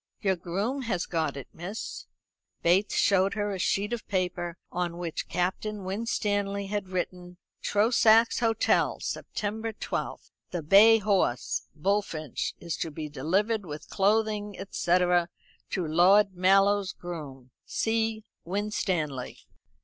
"Your groom has got it, miss." Bates showed her a sheet of paper on which Captain Winstanley had written: "Trosachs Hotel, September 12. "The bay horse, Bullfinch, is to be delivered, with clothing, &c., to Lord Mallow's groom. "C. WINSTANLEY."